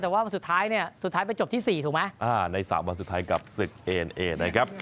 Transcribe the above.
แต่ว่าวันสุดท้ายเนี่ยสุดท้ายไปจบที่สี่ถูกไหมอ่าในสามวันสุดท้ายกับศึกเอ็นเอนะครับ